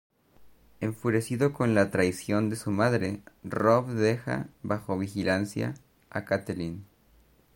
Enfurecido con la traición de su madre, Robb deja bajo vigilancia a Catelyn.